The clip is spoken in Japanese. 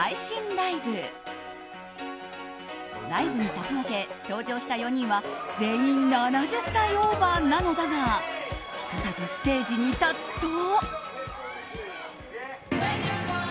ライブに先駆け登場した４人は全員７０歳オーバーなのだがひと度ステージに立つと。